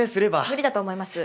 無理だと思います。